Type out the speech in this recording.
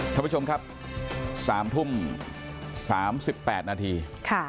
ท่านผู้ชมครับสามทุ่มสามสิบแปดนาทีค่ะ